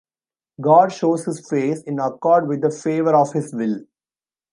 God shows his Face, in accord with the favour of his will.